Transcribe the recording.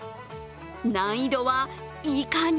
難易度はいかに？